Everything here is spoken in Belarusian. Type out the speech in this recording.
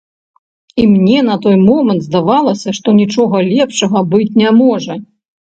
І мне на той момант здавалася, што нічога лепшага быць не можа.